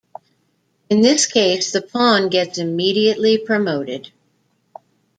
In this case the pawn gets immediately promoted.